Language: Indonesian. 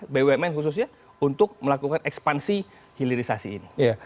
bumn khususnya untuk melakukan ekspansi hilirisasi ini